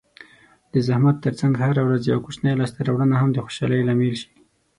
د زحمت ترڅنګ هره ورځ یوه کوچنۍ لاسته راوړنه هم د خوشحالۍ لامل شي.